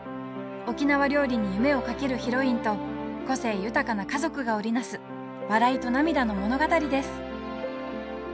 沖縄料理に夢をかけるヒロインと個性豊かな家族が織り成す笑いと涙の物語です